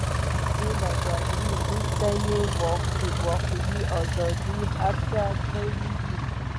چې له جګړې وروسته یې د واقعي ازادۍ هڅې کړې وې.